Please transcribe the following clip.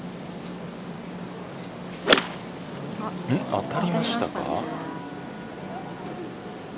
当たりましたか。